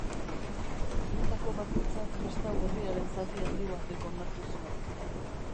Haietako bakoitza kristau herriaren zati handi batek onartu zuen.